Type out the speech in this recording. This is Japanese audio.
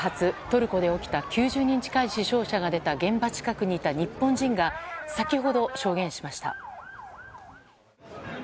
トルコで起きた９０人近い死傷者が出た現場近くにいた日本人が先ほど、証言しました。